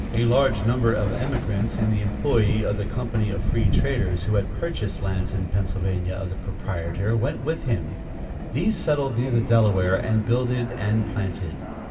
A large number of emigrants in the employ of the "company of free traders" who had purchased lands in Pennsylvania of the proprietor, went with him. These settled near the Delaware and "builded and planted."